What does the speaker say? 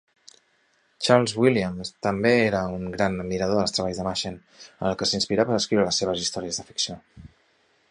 Charles Williams també era un gran admirador dels treballs de Machen, en què s'inspirà per escriure les seves històries de ficció.